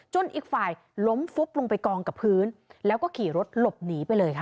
อีกฝ่ายล้มฟุบลงไปกองกับพื้นแล้วก็ขี่รถหลบหนีไปเลยค่ะ